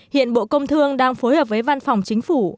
hiện bộ công thương đang phối hợp với văn phòng chính phủ